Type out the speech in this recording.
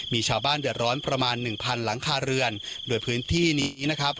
มีชาวบ้านเดือดร้อนประมาณหนึ่งพันหลังคาเรือนโดยพื้นที่นี้นะครับ